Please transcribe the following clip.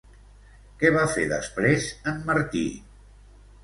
Què va fer després en Martí?